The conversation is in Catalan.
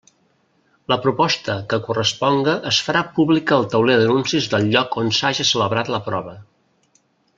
La proposta que corresponga es farà pública al tauler d'anuncis del lloc on s'haja celebrat la prova.